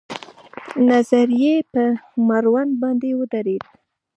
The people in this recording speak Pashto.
نظر يې په مړوند باندې ودرېد.